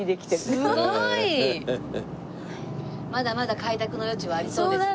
すごい！まだまだ開拓の余地はありそうですね。